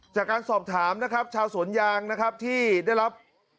จากการสอบถามนะครับชาวสวนยางนะครับที่ได้รับ